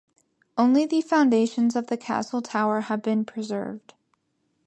Only the foundations of the castle tower have been preserved.